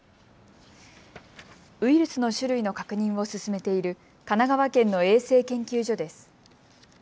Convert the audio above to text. ウイルスの種類の確認を進めている神奈川県の衛生研究所です。